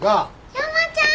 山ちゃん！